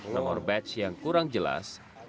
nomor batch yang kurang jelas